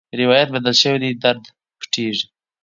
روایت بدل شي، درد پټېږي.